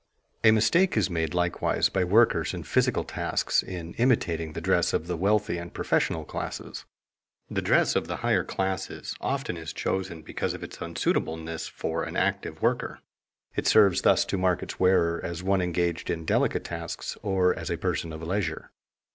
A mistake is made likewise by workers in physical tasks in imitating the dress of the wealthy and professional classes. The dress of the higher classes often is chosen because of its unsuitableness for an active worker. It serves thus to mark its wearer as one engaged in delicate tasks or as a person of leisure.